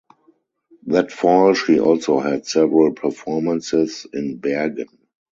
That fall she also had several performances in Bergen.